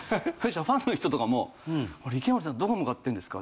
ファンの人とかも池森さんどこ向かってんですか？